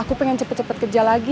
aku pengen cepet cepet kerja lagi